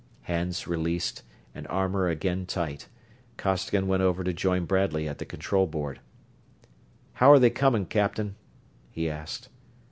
Hands released and armor again tight, Costigan went over to join Bradley at the control board. "How're they coming, Captain?" he asked.